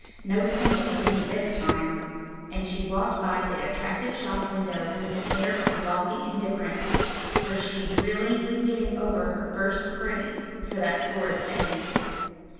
No tinsel for me this time;" and she walked by the attractive shop window with an air of lofty indifference, for she really was getting over her first craze for that sort of thing.